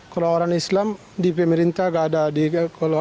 kalau orang islam di pemerintah gak ada